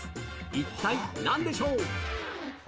一体なんでしょう？